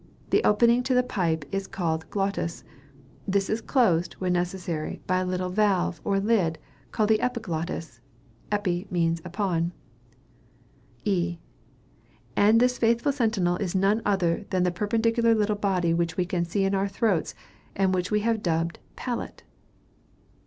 The opening to the pipe is called glottis. This is closed, when necessary, by a little valve, or lid, called the epiglottis (epi means upon.) E. And this faithful sentinel is none other than that perpendicular little body which we can see in our throats, and which we have dubbed palate.